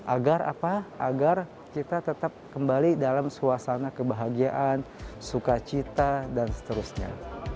agar apa agar kita tetap kembali dalam suasana kebahagiaan sukacita dan seterusnya